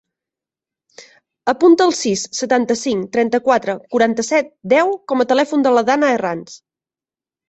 Apunta el sis, setanta-cinc, trenta-quatre, quaranta-set, deu com a telèfon de la Danna Herranz.